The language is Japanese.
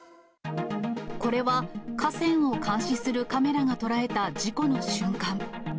これは河川を監視するカメラが捉えた事故の瞬間。